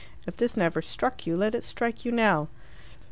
If this never struck you, let it strike you now."